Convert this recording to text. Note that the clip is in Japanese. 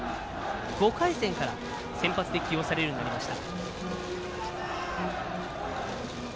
５回戦から先発で起用されるようになりました。